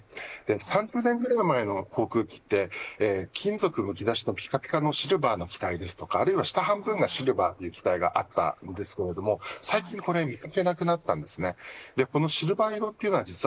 ３０年くらい前の航空機は金属むき出しのぴかぴかのシルバーの機体ですとかあるいは下半分がシルバーという機体があったですが最近これ見かけなくなったんですね。